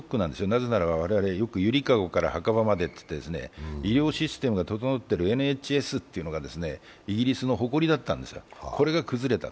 なぜならば、よくゆりかごから墓場までという医療システムが整っているＮＨＳっていうのがイギリスの誇りだったんです、これが崩れた。